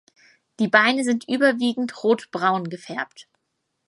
Die Beine sind überwiegend rotbraun gefärbt.